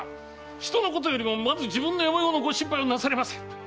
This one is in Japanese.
人のことよりもまず自分の嫁御の心配をなされませ！